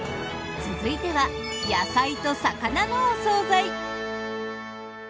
続いては野菜と魚のお惣菜。